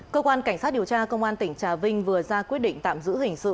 cơ quan cảnh sát điều tra công an tỉnh trà vinh vừa ra quyết định tạm giữ hình sự